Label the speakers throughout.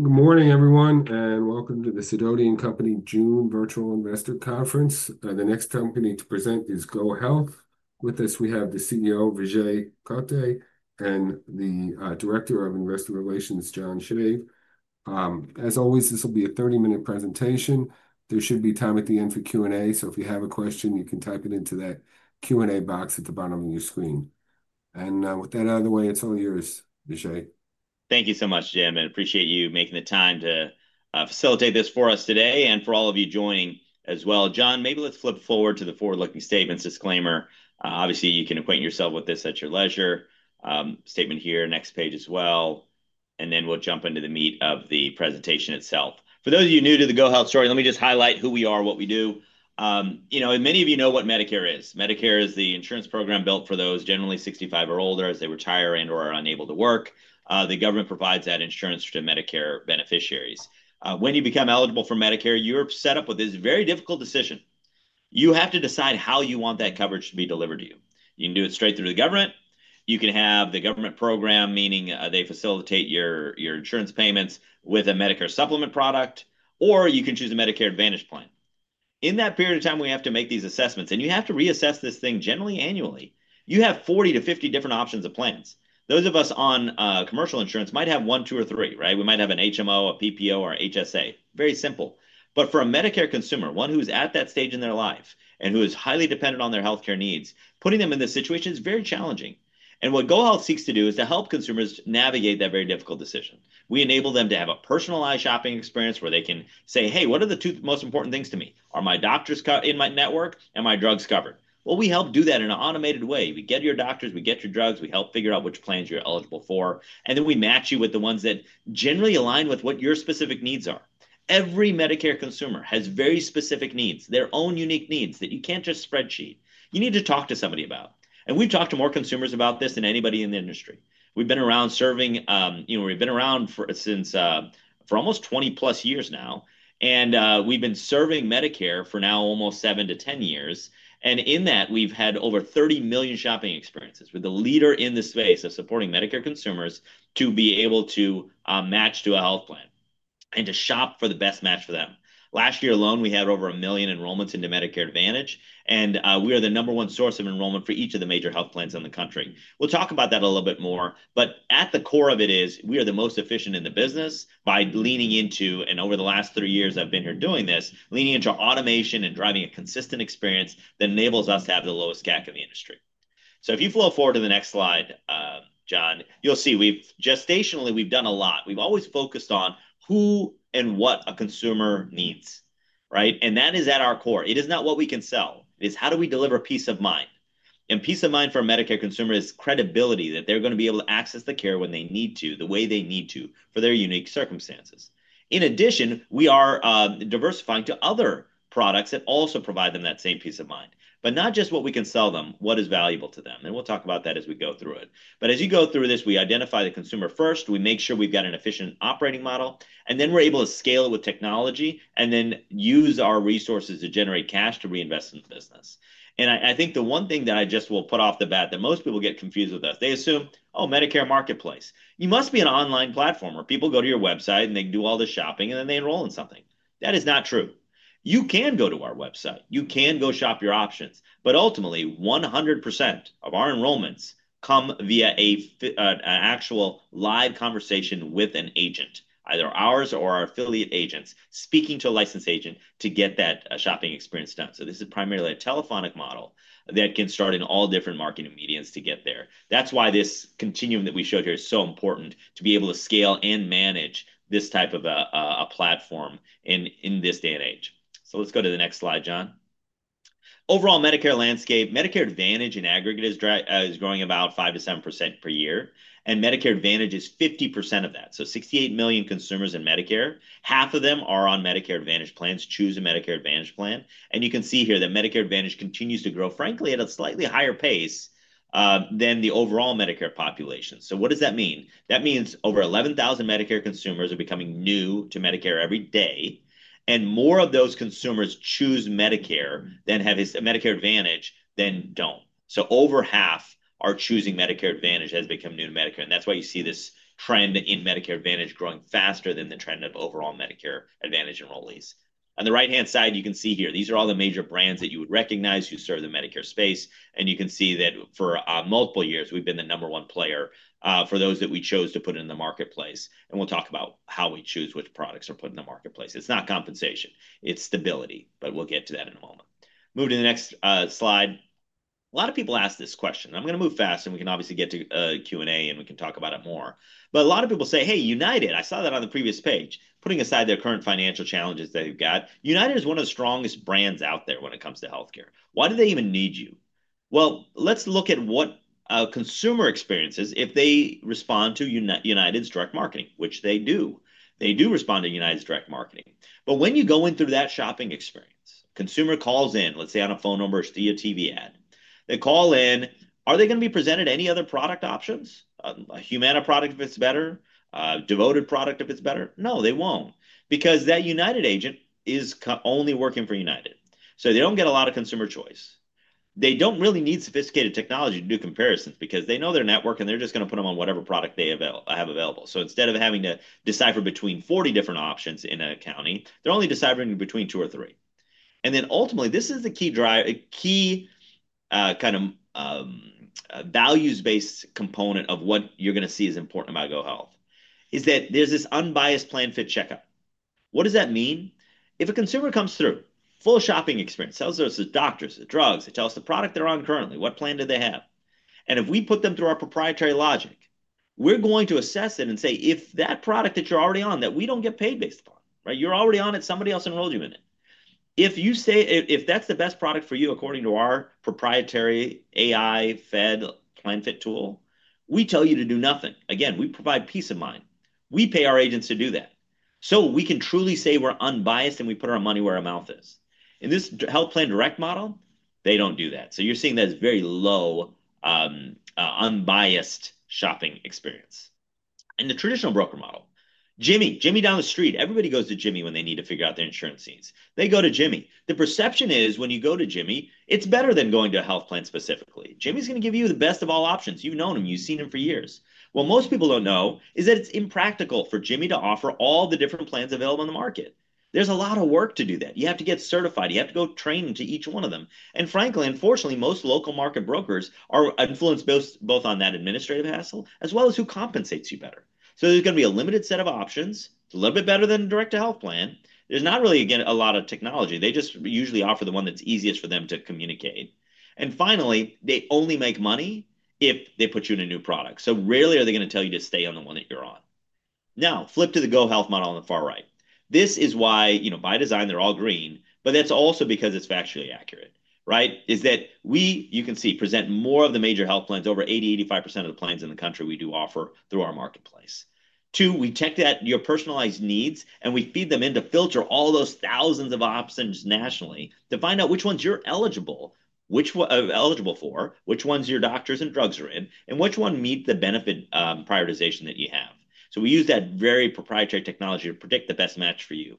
Speaker 1: Good morning, everyone, and welcome to the Sidoti & Company June Virtual Investor Conference. The next company to present is GoHealth. With us, we have the CEO, Vijay Kotte, and the Director of Investor Relations, John Shave. As always, this will be a 30-minute presentation. There should be time at the end for Q&A, so if you have a question, you can type it into that Q&A box at the bottom of your screen. With that out of the way, it's all yours, Vijay.
Speaker 2: Thank you so much, Jim, and appreciate you making the time to facilitate this for us today and for all of you joining as well. John, maybe let's flip forward to the forward-looking statements disclaimer. Obviously, you can acquaint yourself with this at your leisure. Statement here, next page as well. Then we'll jump into the meat of the presentation itself. For those of you new to the GoHealth story, let me just highlight who we are, what we do. You know, many of you know what Medicare is. Medicare is the insurance program built for those generally 65 or older as they retire and/or are unable to work. The government provides that insurance to Medicare beneficiaries. When you become eligible for Medicare, you're set up with this very difficult decision. You have to decide how you want that coverage to be delivered to you. You can do it straight through the government. You can have the government program, meaning they facilitate your insurance payments with a Medicare Supplement product, or you can choose a Medicare Advantage plan. In that period of time, we have to make these assessments, and you have to reassess this thing generally, annually. You have 40-50 different options of plans. Those of us on commercial insurance might have one, two, or three, right? We might have an HMO, a PPO, or an HSA. Very simple. For a Medicare consumer, one who's at that stage in their life and who is highly dependent on their healthcare needs, putting them in this situation is very challenging. What GoHealth seeks to do is to help consumers navigate that very difficult decision. We enable them to have a personalized shopping experience where they can say, "Hey, what are the two most important things to me? Are my doctors in my network? Are my drugs covered?" We help do that in an automated way. We get your doctors, we get your drugs, we help figure out which plans you're eligible for, and then we match you with the ones that generally align with what your specific needs are. Every Medicare consumer has very specific needs, their own unique needs that you can't just spreadsheet. You need to talk to somebody about. And we've talked to more consumers about this than anybody in the industry. We've been around serving, you know, we've been around for almost 20 years now, and we've been serving Medicare for now almost 7 to 10 years. In that, we've had over 30 million shopping experiences with the leader in the space of supporting Medicare consumers to be able to match to a health plan and to shop for the best match for them. Last year alone, we had over a million enrollments into Medicare Advantage, and we are the number one source of enrollment for each of the major health plans in the country. We will talk about that a little bit more, but at the core of it is we are the most efficient in the business by leaning into, and over the last three years I've been here doing this, leaning into automation and driving a consistent experience that enables us to have the lowest CAC in the industry. If you flow forward to the next slide, John, you'll see we've gestationally, we've done a lot. We've always focused on who and what a consumer needs, right? That is at our core. It is not what we can sell. It is how do we deliver peace of mind. Peace of mind for a Medicare consumer is credibility, that they're going to be able to access the care when they need to, the way they need to for their unique circumstances. In addition, we are diversifying to other products that also provide them that same peace of mind, but not just what we can sell them, what is valuable to them. We'll talk about that as we go through it. As you go through this, we identify the consumer first. We make sure we've got an efficient operating model, and then we're able to scale it with technology and then use our resources to generate cash to reinvest in the business. I think the one thing that I just will put off the bat that most people get confused with us, they assume, "Oh, Medicare Marketplace. You must be an online platform where people go to your website and they can do all the shopping and then they enroll in something." That is not true. You can go to our website. You can go shop your options, but ultimately, 100% of our enrollments come via an actual live conversation with an agent, either ours or our affiliate agents speaking to a licensed agent to get that shopping experience done. This is primarily a telephonic model that can start in all different marketing mediums to get there. That is why this continuum that we showed here is so important to be able to scale and manage this type of a platform in this day and age. Let's go to the next slide, John. Overall Medicare landscape, Medicare Advantage in aggregate is growing about 5-7% per year, and Medicare Advantage is 50% of that. So 68 million consumers in Medicare, half of them are on Medicare Advantage plans, choose a Medicare Advantage plan. You can see here that Medicare Advantage continues to grow, frankly, at a slightly higher pace than the overall Medicare population. What does that mean? That means over 11,000 Medicare consumers are becoming new to Medicare every day, and more of those consumers choose Medicare Advantage than do not. Over half are choosing Medicare Advantage as they come new to Medicare. That is why you see this trend in Medicare Advantage growing faster than the trend of overall Medicare Advantage enrollees. On the right-hand side, you can see here, these are all the major brands that you would recognize who serve the Medicare space. You can see that for multiple years, we've been the number one player for those that we chose to put in the marketplace. We will talk about how we choose which products are put in the marketplace. It's not compensation, it's stability, but we'll get to that in a moment. Moving to the next slide. A lot of people ask this question. I'm going to move fast, and we can obviously get to Q&A and we can talk about it more. A lot of people say, "Hey, United, I saw that on the previous page." Putting aside their current financial challenges that they've got, United is one of the strongest brands out there when it comes to healthcare. Why do they even need you? Let's look at what consumer experiences if they respond to UnitedHealthcare's direct marketing, which they do. They do respond to UnitedHealthcare's direct marketing. When you go in through that shopping experience, consumer calls in, let's say on a phone number or see a TV ad, they call in, are they going to be presented any other product options? A Humana product if it's better, a Devoted Health product if it's better? No, they won't, because that UnitedHealthcare agent is only working for UnitedHealthcare. They don't get a lot of consumer choice. They don't really need sophisticated technology to do comparisons because they know their network and they're just going to put them on whatever product they have available. Instead of having to decipher between 40 different options in a county, they're only deciphering between two or three. Ultimately, this is the key drive, key kind of values-based component of what you're going to see as important about GoHealth is that there's this unbiased plan fit checkup. What does that mean? If a consumer comes through, full shopping experience, tells us the doctors, the drugs, they tell us the product they're on currently, what plan do they have? If we put them through our proprietary logic, we're going to assess it and say, "If that product that you're already on, that we don't get paid based upon, right? You're already on it, somebody else enrolled you in it. If you say, if that's the best product for you according to our proprietary AI fed plan fit tool, we tell you to do nothing." Again, we provide peace of mind. We pay our agents to do that. We can truly say we're unbiased and we put our money where our mouth is. In this health plan direct model, they don't do that. You're seeing that it's a very low unbiased shopping experience. In the traditional broker model, Jimmy, Jimmy down the street, everybody goes to Jimmy when they need to figure out their insurance needs. They go to Jimmy. The perception is when you go to Jimmy, it's better than going to a health plan specifically. Jimmy's going to give you the best of all options. You've known him, you've seen him for years. What most people don't know is that it's impractical for Jimmy to offer all the different plans available in the market. There's a lot of work to do that. You have to get certified, you have to go train to each one of them. Frankly, unfortunately, most local market brokers are influenced both on that administrative hassle as well as who compensates you better. There is going to be a limited set of options, a little bit better than a direct-to-health plan. There is not really, again, a lot of technology. They just usually offer the one that is easiest for them to communicate. Finally, they only make money if they put you in a new product. Rarely are they going to tell you to stay on the one that you are on. Now, flip to the GoHealth model on the far right. This is why, you know, by design, they are all green, but that is also because it is factually accurate, right? We, you can see, present more of the major health plans, over 80-85% of the plans in the country we do offer through our marketplace. Two, we check your personalized needs and we feed them in to filter all those thousands of options nationally to find out which ones you're eligible for, which ones your doctors and drugs are in, and which one meets the benefit prioritization that you have. We use that very proprietary technology to predict the best match for you.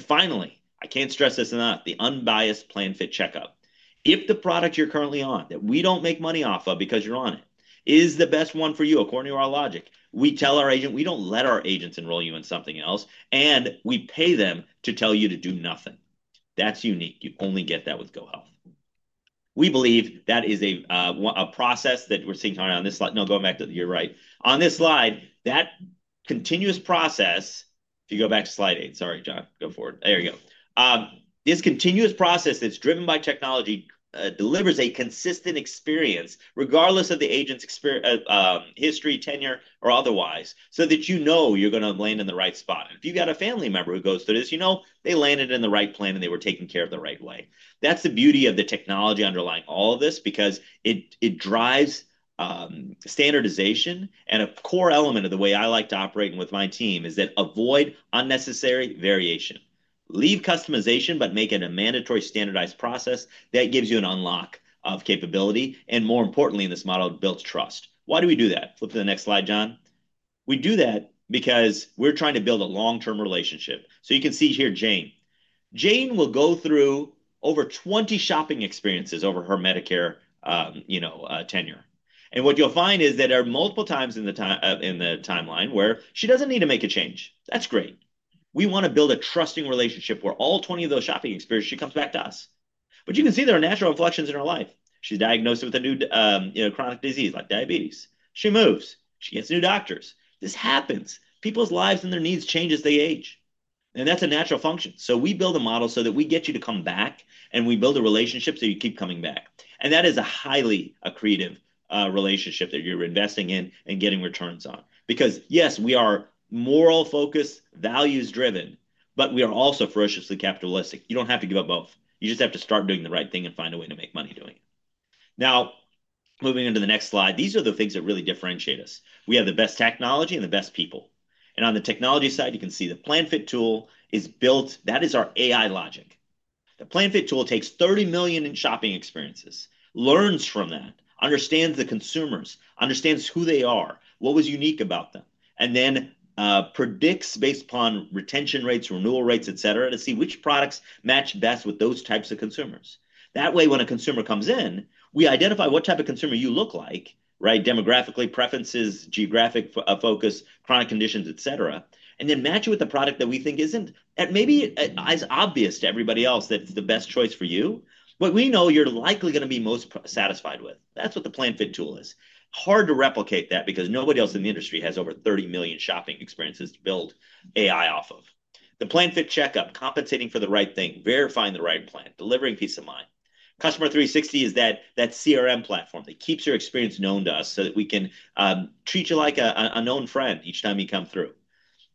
Speaker 2: Finally, I can't stress this enough, the unbiased plan fit checkup. If the product you're currently on that we don't make money off of because you're on it is the best one for you according to our logic, we tell our agent, we don't let our agents enroll you in something else, and we pay them to tell you to do nothing. That's unique. You only get that with GoHealth. We believe that is a process that we're seeing on this slide. No, going back to your right. On this slide, that continuous process, if you go back to slide eight, sorry, John, go forward. There you go. This continuous process that's driven by technology delivers a consistent experience regardless of the agent's history, tenure, or otherwise, so that you know you're going to land in the right spot. If you've got a family member who goes through this, you know they landed in the right plan and they were taken care of the right way. That's the beauty of the technology underlying all of this because it drives standardization. A core element of the way I like to operate with my team is that avoid unnecessary variation. Leave customization, but make it a mandatory standardized process that gives you an unlock of capability and, more importantly, in this model, builds trust. Why do we do that? Flip to the next slide, John. We do that because we're trying to build a long-term relationship. You can see here, Jane. Jane will go through over 20 shopping experiences over her Medicare, you know, tenure. What you'll find is that there are multiple times in the timeline where she doesn't need to make a change. That's great. We want to build a trusting relationship where all 20 of those shopping experiences, she comes back to us. You can see there are natural inflections in her life. She's diagnosed with a new chronic disease like diabetes. She moves. She gets new doctors. This happens. People's lives and their needs change as they age. That's a natural function. We build a model so that we get you to come back and we build a relationship so you keep coming back. That is a highly accretive relationship that you're investing in and getting returns on. Because yes, we are moral-focused, values-driven, but we are also ferociously capitalistic. You don't have to give up both. You just have to start doing the right thing and find a way to make money doing it. Now, moving into the next slide, these are the things that really differentiate us. We have the best technology and the best people. On the technology side, you can see the Plan Fit Tool is built. That is our AI logic. The Plan Fit Tool takes 30 million in shopping experiences, learns from that, understands the consumers, understands who they are, what was unique about them, and then predicts based upon retention rates, renewal rates, etc., to see which products match best with those types of consumers. That way, when a consumer comes in, we identify what type of consumer you look like, right? Demographically, preferences, geographic focus, chronic conditions, etc., and then match it with the product that we think isn't maybe as obvious to everybody else that's the best choice for you, but we know you're likely going to be most satisfied with. That's what the Plan Fit Tool is. Hard to replicate that because nobody else in the industry has over 30 million shopping experiences to build AI off of. The Plan Fit Checkup, compensating for the right thing, verifying the right plan, delivering peace of mind. Customer 360 is that CRM platform that keeps your experience known to us so that we can treat you like a known friend each time you come through.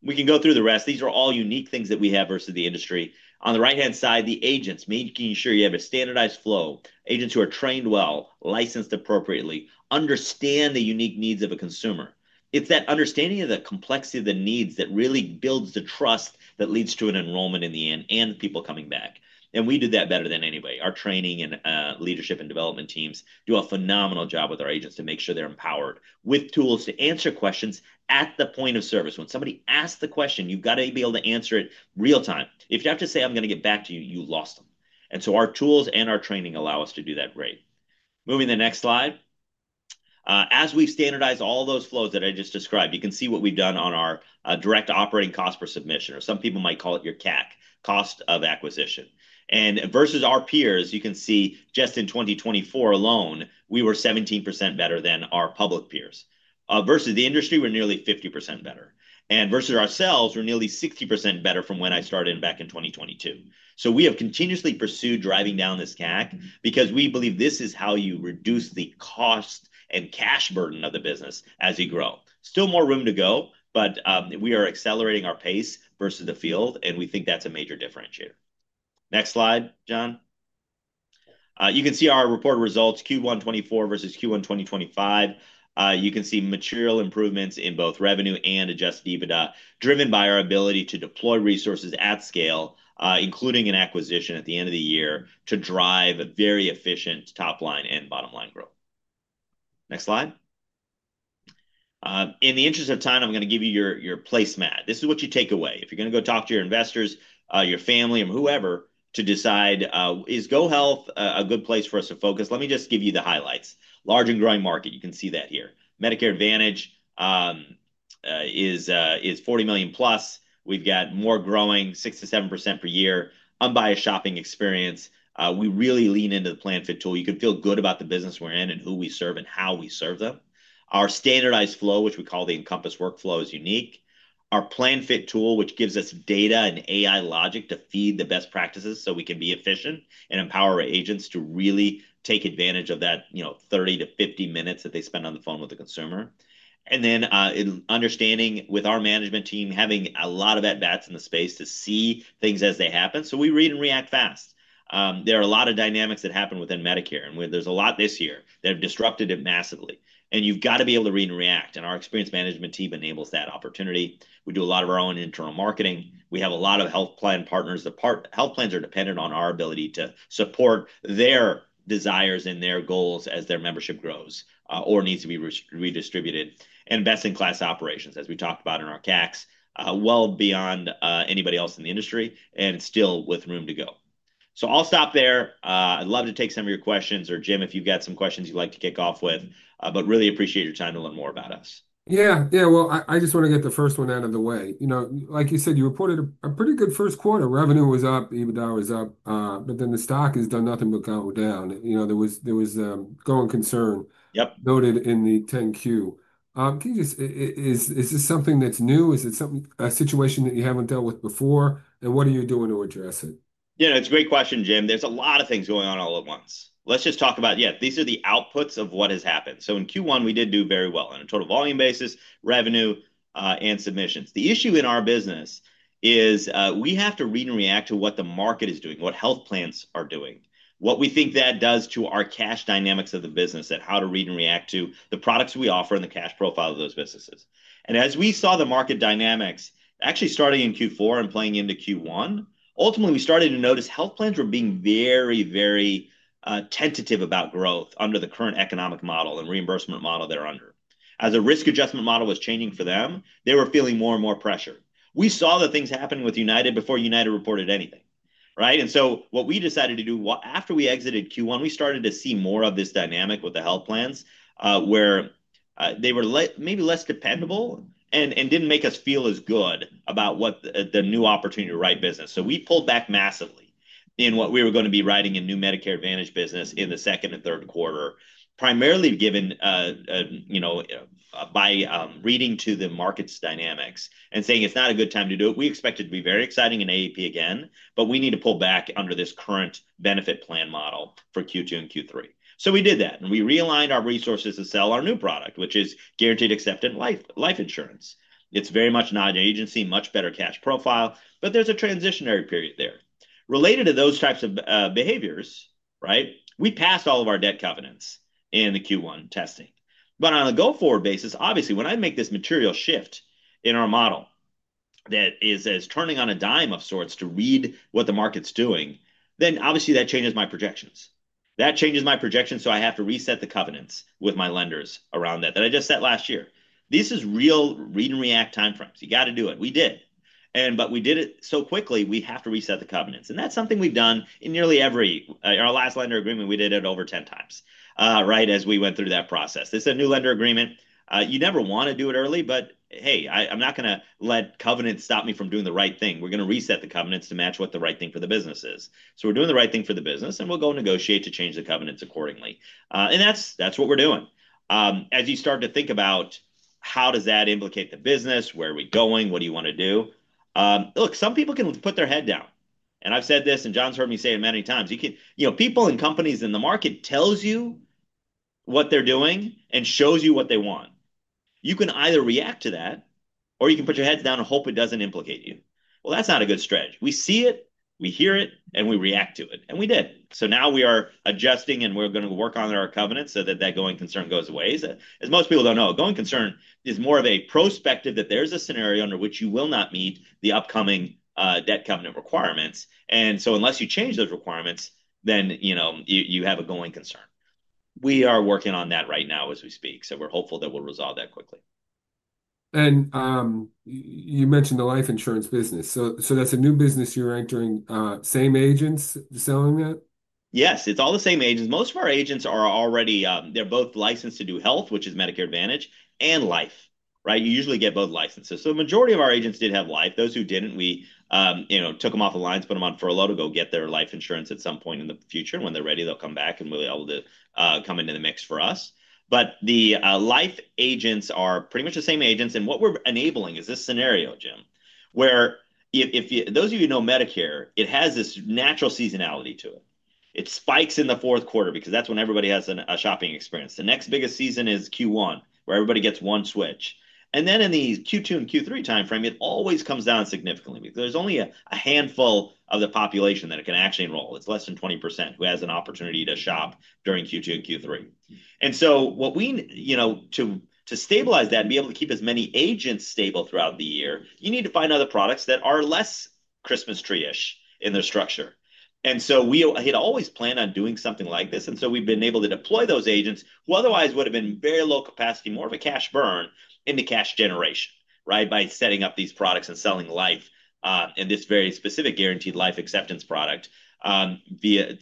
Speaker 2: We can go through the rest. These are all unique things that we have versus the industry. On the right-hand side, the agents, making sure you have a standardized flow, agents who are trained well, licensed appropriately, understand the unique needs of a consumer. It's that understanding of the complexity of the needs that really builds the trust that leads to an enrollment in the end and people coming back. We do that better than anybody. Our training and leadership and development teams do a phenomenal job with our agents to make sure they're empowered with tools to answer questions at the point of service. When somebody asks the question, you've got to be able to answer it real time. If you have to say, "I'm going to get back to you," you lost them. Our tools and our training allow us to do that great. Moving to the next slide. As we've standardized all those flows that I just described, you can see what we've done on our direct operating cost per submission, or some people might call it your CAC, cost of acquisition. Versus our peers, you can see just in 2024 alone, we were 17% better than our public peers. Versus the industry, we're nearly 50% better. Versus ourselves, we're nearly 60% better from when I started back in 2022. We have continuously pursued driving down this CAC because we believe this is how you reduce the cost and cash burden of the business as you grow. Still more room to go, but we are accelerating our pace versus the field, and we think that's a major differentiator. Next slide, John. You can see our report results, Q1 2024 versus Q1 2025. You can see material improvements in both revenue and adjusted EBITDA, driven by our ability to deploy resources at scale, including an acquisition at the end of the year to drive a very efficient top-line and bottom-line growth. Next slide. In the interest of time, I'm going to give you your placemat. This is what you take away. If you're going to go talk to your investors, your family, or whoever to decide, is GoHealth a good place for us to focus? Let me just give you the highlights. Large and growing market, you can see that here. Medicare Advantage is 40 million plus. We've got more growing, 6-7% per year, unbiased shopping experience. We really lean into the plan fit tool. You can feel good about the business we're in and who we serve and how we serve them. Our standardized flow, which we call the Encompass Workflow, is unique. Our Plan Fit Tool, which gives us data and AI logic to feed the best practices so we can be efficient and empower our agents to really take advantage of that 30-50 minutes that they spend on the phone with the consumer. Then understanding with our management team, having a lot of at-bats in the space to see things as they happen. We read and react fast. There are a lot of dynamics that happen within Medicare, and there is a lot this year that have disrupted it massively. You have got to be able to read and react. Our experienced management team enables that opportunity. We do a lot of our own internal marketing. We have a lot of health plan partners. The health plans are dependent on our ability to support their desires and their goals as their membership grows or needs to be redistributed. Best-in-class operations, as we talked about in our CACs, well beyond anybody else in the industry and still with room to go. I'll stop there. I'd love to take some of your questions, or Jim, if you've got some questions you'd like to kick off with, but really appreciate your time to learn more about us.
Speaker 1: Yeah, yeah. I just want to get the first one out of the way. You know, like you said, you reported a pretty good first quarter. Revenue was up, EBITDA was up, but then the stock has done nothing but go down. You know, there was growing concern noted in the 10Q. Can you just, is this something that's new? Is it a situation that you haven't dealt with before? What are you doing to address it?
Speaker 2: Yeah, it's a great question, Jim. There's a lot of things going on all at once. Let's just talk about, yeah, these are the outputs of what has happened. In Q1, we did do very well on a total volume basis, revenue, and submissions. The issue in our business is we have to read and react to what the market is doing, what health plans are doing, what we think that does to our cash dynamics of the business, and how to read and react to the products we offer and the cash profile of those businesses. As we saw the market dynamics, actually starting in Q4 and playing into Q1, ultimately, we started to notice health plans were being very, very tentative about growth under the current economic model and reimbursement model they're under. As a risk adjustment model was changing for them, they were feeling more and more pressure. We saw the things happening with UnitedHealthcare before UnitedHealthcare reported anything, right? What we decided to do after we exited Q1, we started to see more of this dynamic with the health plans where they were maybe less dependable and didn't make us feel as good about the new opportunity to write business. We pulled back massively in what we were going to be writing in new Medicare Advantage business in the second and third quarter, primarily given, you know, by reading to the market's dynamics and saying it's not a good time to do it. We expect it to be very exciting in AEP again, but we need to pull back under this current benefit plan model for Q2 and Q3. We did that, and we realigned our resources to sell our new product, which is guaranteed acceptance life insurance. It's very much not an agency, much better cash profile, but there's a transitionary period there. Related to those types of behaviors, right, we passed all of our debt covenants in the Q1 testing. On a go-forward basis, obviously, when I make this material shift in our model that is turning on a dime of sorts to read what the market's doing, then obviously that changes my projections. That changes my projections, so I have to reset the covenants with my lenders around that that I just set last year. This is real read and react timeframes. You got to do it. We did. We did it so quickly, we have to reset the covenants. That's something we've done in nearly every one of our last lender agreements, we did it over 10 times, right, as we went through that process. This is a new lender agreement. You never want to do it early, but hey, I'm not going to let covenants stop me from doing the right thing. We're going to reset the covenants to match what the right thing for the business is. We're doing the right thing for the business, and we'll go negotiate to change the covenants accordingly. That's what we're doing. As you start to think about how does that implicate the business, where are we going, what do you want to do? Look, some people can put their head down. I've said this, and John's heard me say it many times. You know, people and companies in the market tell you what they're doing and show you what they want. You can either react to that, or you can put your heads down and hope it doesn't implicate you. That's not a good strategy. We see it, we hear it, and we react to it. We did. Now we are adjusting, and we're going to work on our covenants so that that going concern goes away. As most people don't know, a going concern is more of a prospective that there's a scenario under which you will not meet the upcoming debt covenant requirements. Unless you change those requirements, then you have a going concern. We are working on that right now as we speak. We're hopeful that we'll resolve that quickly. You mentioned the life insurance business. That's a new business you're entering. Same agents selling that? Yes, it's all the same agents. Most of our agents are already, they're both licensed to do health, which is Medicare Advantage, and life, right? You usually get both licenses. The majority of our agents did have life. Those who didn't, we took them off the lines, put them on furlough to go get their life insurance at some point in the future. When they're ready, they'll come back and will be able to come into the mix for us. The life agents are pretty much the same agents. What we're enabling is this scenario, Jim, where if those of you who know Medicare, it has this natural seasonality to it. It spikes in the fourth quarter because that's when everybody has a shopping experience. The next biggest season is Q1, where everybody gets one switch. In the Q2 and Q3 timeframe, it always comes down significantly because there's only a handful of the population that it can actually enroll. It's less than 20% who has an opportunity to shop during Q2 and Q3. What we, you know, to stabilize that and be able to keep as many agents stable throughout the year, you need to find other products that are less Christmas tree-ish in their structure. We had always planned on doing something like this. We have been able to deploy those agents who otherwise would have been very low capacity, more of a cash burn into cash generation, right, by setting up these products and selling life and this very specific guaranteed acceptance life insurance product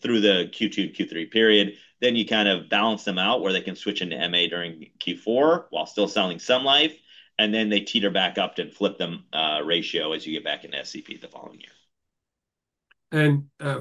Speaker 2: through the Q2 and Q3 period. You kind of balance them out where they can switch into MA during Q4 while still selling some life, and then they teeter back up to flip the ratio as you get back into SCP the following year.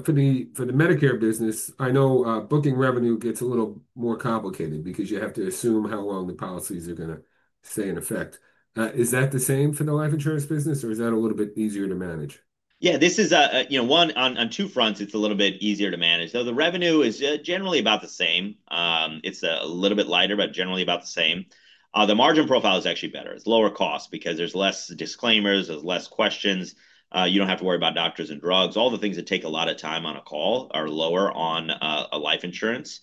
Speaker 2: For the Medicare business, I know booking revenue gets a little more complicated because you have to assume how long the policies are going to stay in effect. Is that the same for the life insurance business, or is that a little bit easier to manage? Yeah, this is, you know, on two fronts, it's a little bit easier to manage. The revenue is generally about the same. It's a little bit lighter, but generally about the same. The margin profile is actually better. It's lower cost because there's less disclaimers, there's less questions. You don't have to worry about doctors and drugs. All the things that take a lot of time on a call are lower on a life insurance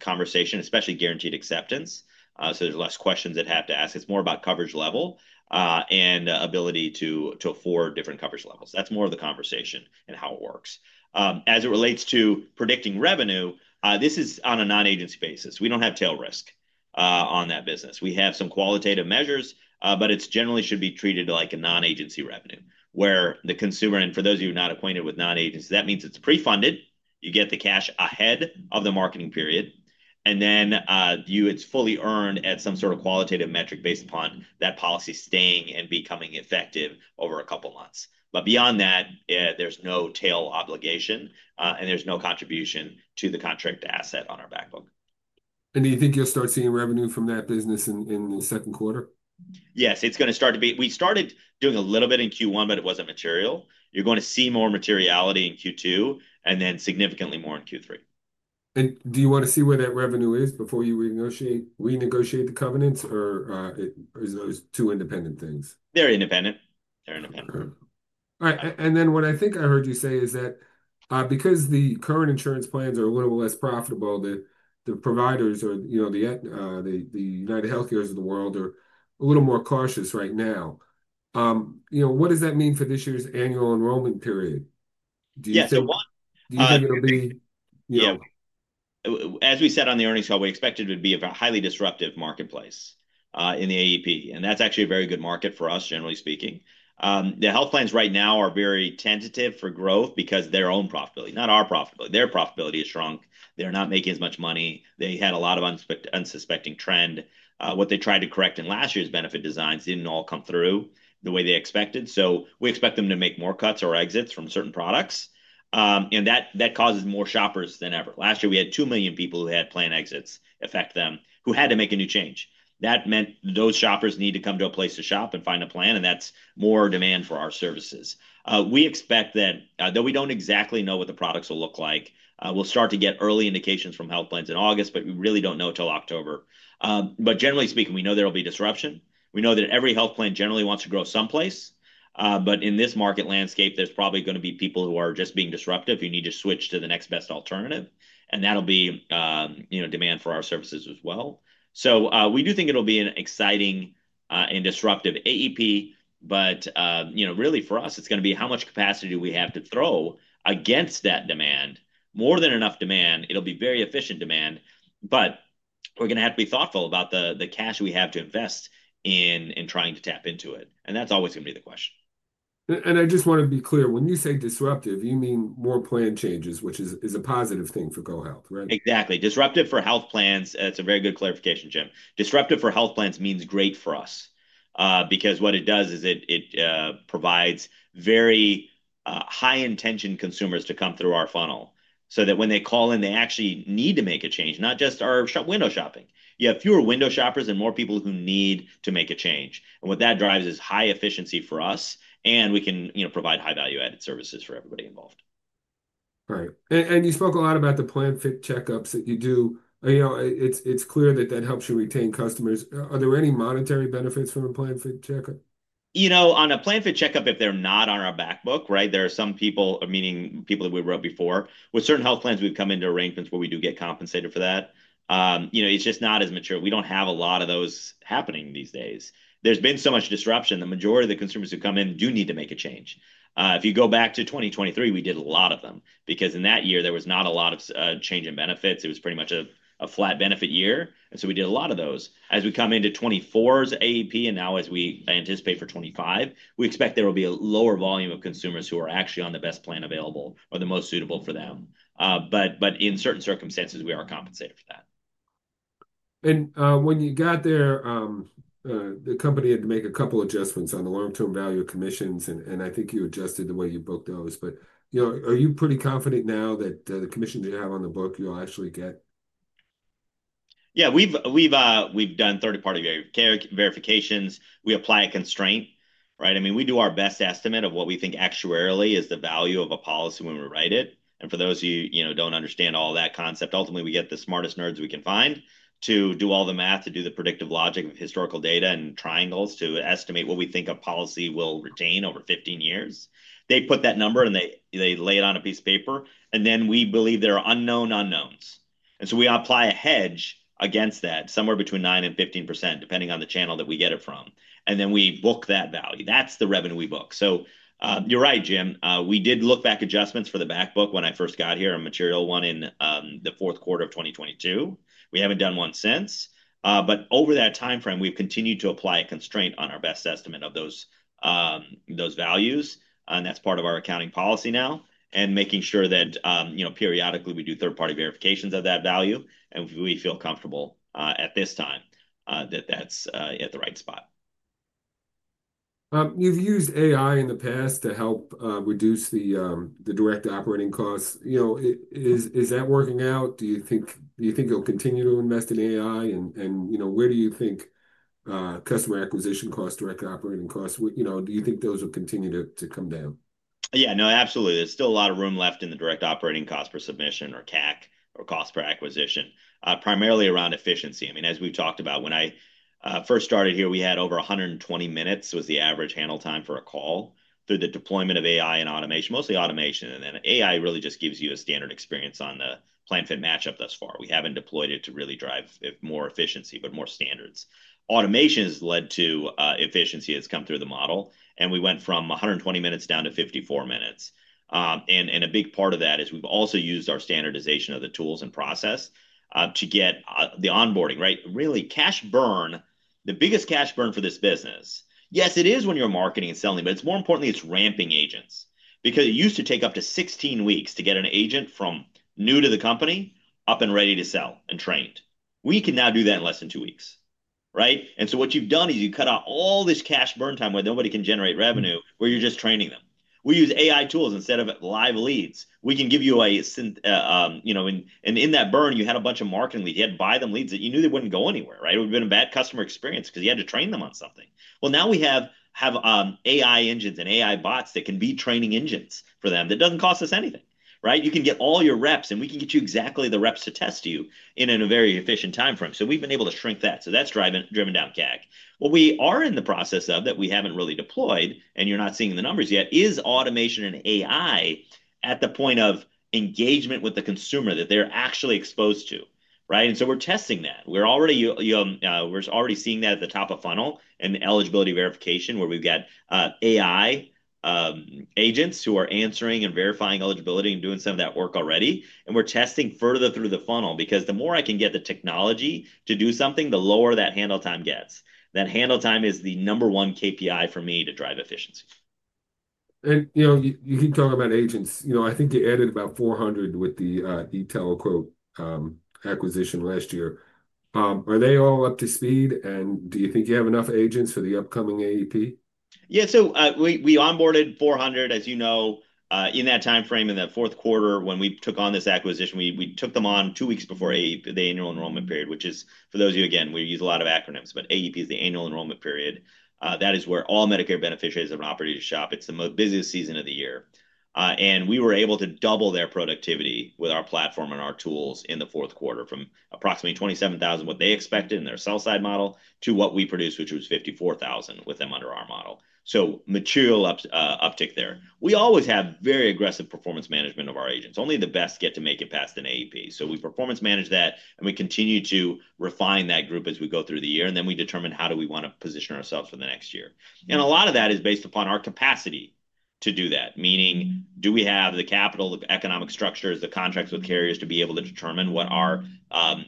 Speaker 2: conversation, especially guaranteed acceptance. There's less questions that have to be asked. It's more about coverage level and ability to afford different coverage levels. That's more of the conversation and how it works. As it relates to predicting revenue, this is on a non-agency basis. We don't have tail risk on that business. We have some qualitative measures, but it generally should be treated like a non-agency revenue where the consumer, and for those of you not acquainted with non-agency, that means it's pre-funded. You get the cash ahead of the marketing period, and then it's fully earned at some sort of qualitative metric based upon that policy staying and becoming effective over a couple of months. Beyond that, there's no tail obligation, and there's no contribution to the contract asset on our backlog. Do you think you'll start seeing revenue from that business in the second quarter? Yes, it's going to start to be. We started doing a little bit in Q1, but it wasn't material. You're going to see more materiality in Q2 and then significantly more in Q3. Do you want to see where that revenue is before you renegotiate the covenants, or are those two independent things? They're independent. They're independent. All right. What I think I heard you say is that because the current insurance plans are a little less profitable, the providers or, you know, the UnitedHealthcare's of the world are a little more cautious right now. You know, what does that mean for this year's annual enrollment period? Do you think it'll be, as we said on the earnings call, we expected it would be a highly disruptive marketplace in the AEP, and that's actually a very good market for us, generally speaking. The health plans right now are very tentative for growth because their own profitability, not our profitability, their profitability has shrunk. They're not making as much money. They had a lot of unsuspecting trend. What they tried to correct in last year's benefit designs didn't all come through the way they expected. We expect them to make more cuts or exits from certain products, and that causes more shoppers than ever. Last year, we had 2 million people who had plan exits affect them who had to make a new change. That meant those shoppers need to come to a place to shop and find a plan, and that's more demand for our services. We expect that, though we don't exactly know what the products will look like, we'll start to get early indications from health plans in August, but we really don't know until October. Generally speaking, we know there will be disruption. We know that every health plan generally wants to grow someplace, but in this market landscape, there's probably going to be people who are just being disruptive. You need to switch to the next best alternative, and that'll be, you know, demand for our services as well. We do think it'll be an exciting and disruptive AEP, but, you know, really for us, it's going to be how much capacity do we have to throw against that demand. More than enough demand. It'll be very efficient demand, but we're going to have to be thoughtful about the cash we have to invest in trying to tap into it. That is always going to be the question. I just want to be clear. When you say disruptive, you mean more plan changes, which is a positive thing for GoHealth, right? Exactly. Disruptive for health plans. That's a very good clarification, Jim. Disruptive for health plans means great for us because what it does is it provides very high-intention consumers to come through our funnel so that when they call in, they actually need to make a change, not just are window shopping. You have fewer window shoppers and more people who need to make a change. What that drives is high efficiency for us, and we can, you know, provide high-value-added services for everybody involved. Right. You spoke a lot about the plan fit checkups that you do. You know, it's clear that that helps you retain customers. Are there any monetary benefits from a plan fit checkup? You know, on a plan fit checkup, if they're not on our backbook, right, there are some people, meaning people that we wrote before, with certain health plans, we've come into arrangements where we do get compensated for that. You know, it's just not as mature. We don't have a lot of those happening these days. There's been so much disruption. The majority of the consumers who come in do need to make a change. If you go back to 2023, we did a lot of them because in that year, there was not a lot of change in benefits. It was pretty much a flat benefit year. You know, we did a lot of those. As we come into 2024's AEP and now as we anticipate for 2025, we expect there will be a lower volume of consumers who are actually on the best plan available or the most suitable for them. In certain circumstances, we are compensated for that. When you got there, the company had to make a couple of adjustments on the long-term value of commissions, and I think you adjusted the way you booked those. You know, are you pretty confident now that the commissions you have on the book you'll actually get? Yeah, we've done third-party verifications. We apply a constraint, right? I mean, we do our best estimate of what we think actuarially is the value of a policy when we write it. For those of you who do not understand all that concept, ultimately, we get the smartest nerds we can find to do all the math, to do the predictive logic of historical data and triangles to estimate what we think a policy will retain over 15 years. They put that number and they lay it on a piece of paper, and then we believe there are unknown unknowns. We apply a hedge against that, somewhere between 9%-15%, depending on the channel that we get it from. We book that value. That is the revenue we book. You are right, Jim. We did look back adjustments for the backbook when I first got here, a material one in the fourth quarter of 2022. We have not done one since. Over that timeframe, we have continued to apply a constraint on our best estimate of those values. That's part of our accounting policy now and making sure that, you know, periodically we do third-party verifications of that value. We feel comfortable at this time that that's at the right spot. You've used AI in the past to help reduce the direct operating costs. You know, is that working out? Do you think you'll continue to invest in AI? You know, where do you think customer acquisition costs, direct operating costs, you know, do you think those will continue to come down? Yeah, no, absolutely. There's still a lot of room left in the direct operating costs for submission or CAC or costs per acquisition, primarily around efficiency. I mean, as we've talked about, when I first started here, we had over 120 minutes was the average handle time for a call through the deployment of AI and automation, mostly automation. AI really just gives you a standard experience on the plan fit matchup thus far. We haven't deployed it to really drive more efficiency, but more standards. Automation has led to efficiency, has come through the model, and we went from 120 minutes down to 54 minutes. A big part of that is we've also used our standardization of the tools and process to get the onboarding right. Really, cash burn, the biggest cash burn for this business, yes, it is when you're marketing and selling, but more importantly, it's ramping agents because it used to take up to 16 weeks to get an agent from new to the company up and ready to sell and trained. We can now do that in less than two weeks, right? What you've done is you cut out all this cash burn time where nobody can generate revenue, where you're just training them. We use AI tools instead of live leads. We can give you a, you know, and in that burn, you had a bunch of marketing leads. You had to buy them leads that you knew they wouldn't go anywhere, right? It would have been a bad customer experience because you had to train them on something. Now we have AI engines and AI bots that can be training engines for them that doesn't cost us anything, right? You can get all your reps, and we can get you exactly the reps to test you in a very efficient timeframe. We've been able to shrink that. That's driven down CAC. What we are in the process of that we haven't really deployed and you're not seeing the numbers yet is automation and AI at the point of engagement with the consumer that they're actually exposed to, right? We're testing that. We're already seeing that at the top of funnel and eligibility verification where we've got AI agents who are answering and verifying eligibility and doing some of that work already. We're testing further through the funnel because the more I can get the technology to do something, the lower that handle time gets. That handle time is the number one KPI for me to drive efficiency. You know, you keep talking about agents. You know, I think you added about 400 with the teleco acquisition last year. Are they all up to speed? Do you think you have enough agents for the upcoming AEP? Yeah, so we onboarded 400, as you know, in that timeframe in that fourth quarter when we took on this acquisition. We took them on two weeks before the annual enrollment period, which is, for those of you, again, we use a lot of acronyms, but AEP is the annual enrollment period. That is where all Medicare beneficiaries have an opportunity to shop. It is the busiest season of the year. We were able to double their productivity with our platform and our tools in the fourth quarter from approximately 27,000, what they expected in their sell-side model, to what we produced, which was 54,000 with them under our model. Material uptick there. We always have very aggressive performance management of our agents. Only the best get to make it past an AEP. We performance manage that, and we continue to refine that group as we go through the year. Then we determine how do we want to position ourselves for the next year. A lot of that is based upon our capacity to do that, meaning do we have the capital, the economic structures, the contracts with carriers to be able to determine what our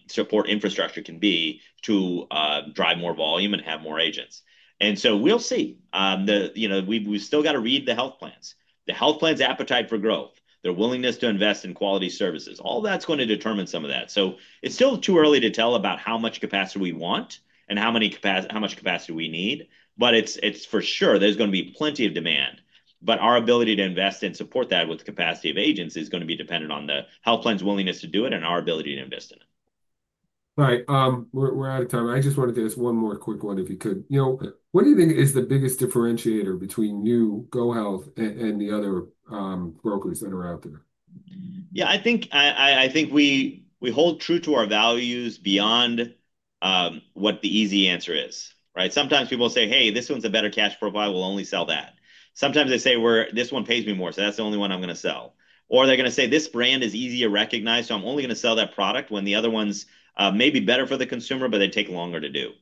Speaker 2: support infrastructure can be to drive more volume and have more agents. We'll see. You know, we've still got to read the health plans. The health plans' appetite for growth, their willingness to invest in quality services, all that's going to determine some of that. It's still too early to tell about how much capacity we want and how much capacity we need. For sure there's going to be plenty of demand. Our ability to invest and support that with the capacity of agents is going to be dependent on the health plans' willingness to do it and our ability to invest in it. Right. We're out of time. I just wanted to ask one more quick one, if you could. You know, what do you think is the biggest differentiator between you, GoHealth, and the other brokers that are out there? Yeah, I think we hold true to our values beyond what the easy answer is, right? Sometimes people say, "Hey, this one's a better cash profile. We'll only sell that." Sometimes they say, "This one pays me more, so that's the only one I'm going to sell." Or they're going to say, "This brand is easier to recognize, so I'm only going to sell that product when the other ones may be better for the consumer, but they take longer to do."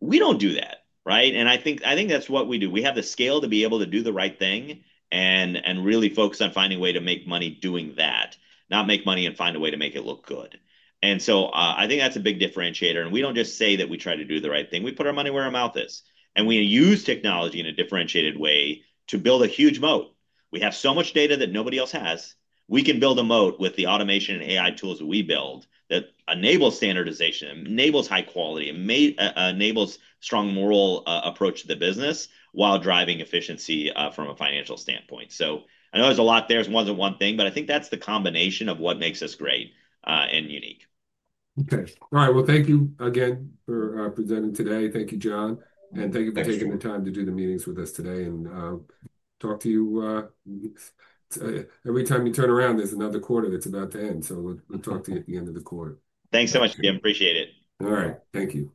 Speaker 2: We don't do that, right? I think that's what we do. We have the scale to be able to do the right thing and really focus on finding a way to make money doing that, not make money and find a way to make it look good. I think that's a big differentiator. We don't just say that we try to do the right thing. We put our money where our mouth is. We use technology in a differentiated way to build a huge moat. We have so much data that nobody else has. We can build a moat with the automation and AI tools that we build that enables standardization, enables high quality, enables a strong moral approach to the business while driving efficiency from a financial standpoint. I know there's a lot there. It wasn't one thing, but I think that's the combination of what makes us great and unique.
Speaker 1: Okay. All right. Thank you again for presenting today. Thank you, John. Thank you for taking the time to do the meetings with us today and talk to you. Every time you turn around, there's another quarter that's about to end. We'll talk to you at the end of the quarter.
Speaker 2: Thanks so much, Jim. Appreciate it.
Speaker 1: All right. Thank you.